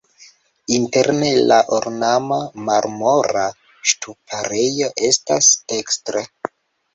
Interne la ornama marmora ŝtuparejo estas dekstre.